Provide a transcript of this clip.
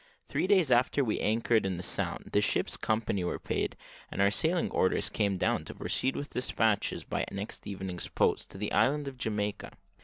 Three days after we anchored in the Sound, the ship's company were paid, and our sailing orders came down to proceed with despatches, by next evening's post, to the island of Jamaica.